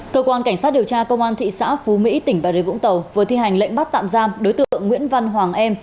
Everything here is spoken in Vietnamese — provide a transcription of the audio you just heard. cơ quan cảnh sát điều tra công an thị xã phú mỹ tỉnh bà rịa vũng tàu vừa thi hành lệnh bắt tạm giam đối tượng nguyễn văn hoàng em